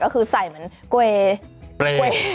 ก็คือใส่เหมือนเกว